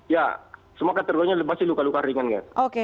ya semua kategorinya pasti luka luka ringan kan